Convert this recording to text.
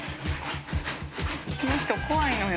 この人怖いのよ。